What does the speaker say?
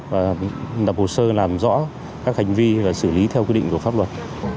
và lập hồ sơ làm rõ các hành vi và xử lý theo quy định của pháp luật